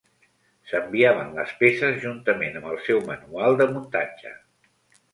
S'enviaven les peces juntament amb el seu manual de muntatge.